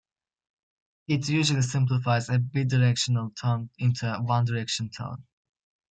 It usually simplifies a bidirectional tone into a one-direction tone.